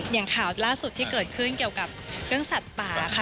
อย่างข่าวล่าสุดที่เกิดขึ้นเกี่ยวกับเรื่องสัตว์ป่าค่ะ